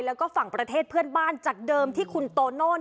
แล้วก็ฝั่งประเทศเพื่อนบ้านจากเดิมที่คุณโตโน่